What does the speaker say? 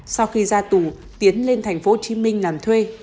sau khi ra tù tiến lên tp hcm làm thuê